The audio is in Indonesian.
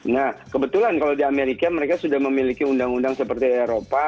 nah kebetulan kalau di amerika mereka sudah memiliki undang undang seperti eropa